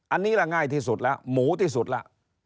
อันนี้ละง่ายที่สุดแล้วหมูที่สุดล่ะ